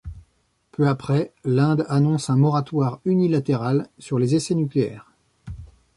Peu après, l'Inde annonce un moratoire unilatéral sur les essais nucléaires.